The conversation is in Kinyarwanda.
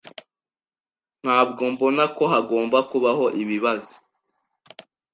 Ntabwo mbona ko hagomba kubaho ibibazo.